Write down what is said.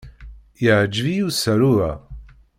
Yeɛjeb-iyi usaru-a.